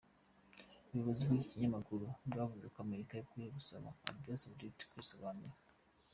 Ubuyobozi bw'iki kinyamakuru bwavuze ko Amerika ikwiye gusaba Arabie Saoudite kwisobanura.